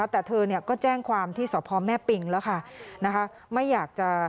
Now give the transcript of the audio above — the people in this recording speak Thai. แต่เธอก็แจ้งความที่สพแม่ปิงแล้วค่ะ